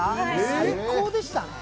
最高でしたね。